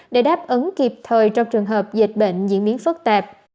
để đáp ứng kịp thời trong trường hợp dịch bệnh diễn biến phức tạp